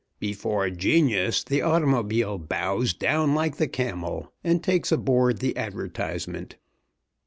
Before genius the automobile bows down like the camel, and takes aboard the advertisement.